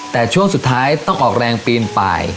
แต่ช่วงสุดท้ายต้องออกแรงปีนป่าย